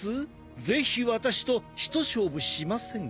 ぜひ私と一勝負しませんか？